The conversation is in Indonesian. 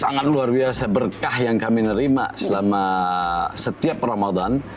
sangat luar biasa berkah yang kami nerima selama setiap ramadan